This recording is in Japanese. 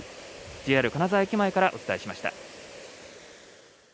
ＪＲ金沢駅前からお伝えしました。